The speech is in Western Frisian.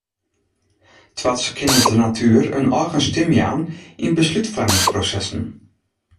Twads kin it de natuer in eigen stim jaan yn beslútfoarmingsprosessen.